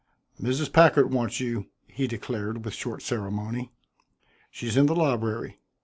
"Mrs. Packard wants you," he declared with short ceremony. "She's in the library."